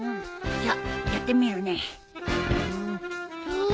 じゃやってみるね。